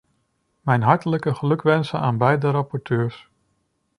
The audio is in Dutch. Mijn hartelijke gelukwensen aan beide rapporteurs.